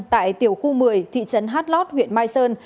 tại tiểu khu một mươi thị trấn hát lót huyện mai sơn